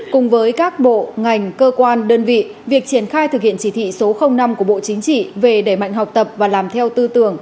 cùng với các bộ ngành cơ quan đơn vị việc triển khai thực hiện chỉ thị số năm của bộ chính trị về đẩy mạnh học tập và làm theo tư tưởng